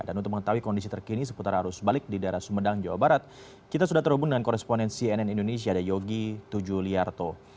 dan untuk mengetahui kondisi terkini seputar arus balik di daerah sumedang jawa barat kita sudah terhubung dengan koresponensi nn indonesia dari yogi tujuliarto